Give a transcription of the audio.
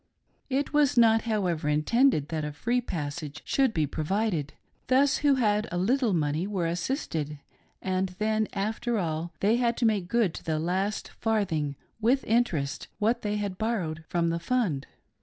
It was not, however, intended that a free passage should be provided ; those who had a little money were, assisted, and then, after all, they had to make good to the. last farthing, with interest, what they had borrowed from the, fund.